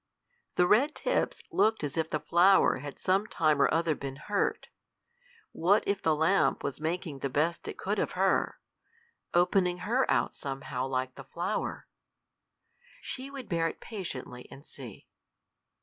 The red tips looked as if the flower had some time or other been hurt: what if the lamp was making the best it could of her opening her out somehow like the flower? She would bear it patiently, and see.